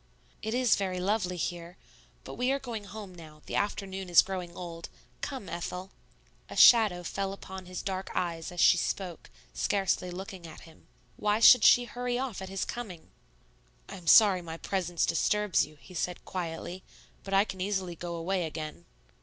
"It is very lovely here. But we are going home now; the afternoon is growing old. Come, Ethel." A shadow fell upon his dark eyes as she spoke, scarcely looking at him. Why should she hurry off at his coming? "I am sorry my presence disturbs you," he said quietly; "But I can easily go away again."